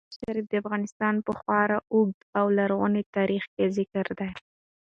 مزارشریف د افغانستان په خورا اوږده او لرغوني تاریخ کې ذکر دی.